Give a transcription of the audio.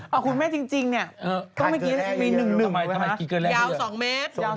เออคุณแม่จริงเนี่ยต้องมีกินกินเยอะมีหนึ่ง